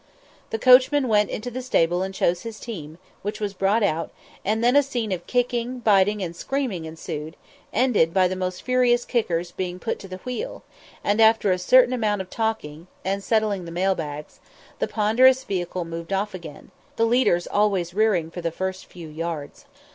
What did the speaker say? The coachman went into the stable and chose his team, which was brought out, and then a scene of kicking, biting, and screaming ensued, ended by the most furious kickers being put to the wheel; and after a certain amount of talking, and settling the mail bags, the ponderous vehicle moved off again, the leaders always rearing for the first few yards.